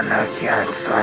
berani kamu menangsalku